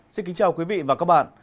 xin kính chào quý vị và các bạn